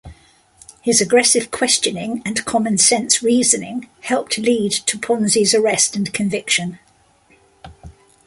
His aggressive questioning and common-sense reasoning helped lead to Ponzi's arrest and conviction.